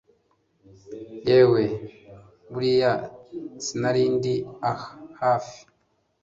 yeweee buriya sinarindi aha hafi